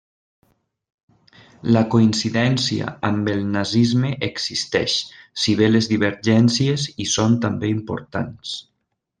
La coincidència amb el nazisme existeix, si bé les divergències hi són també importants.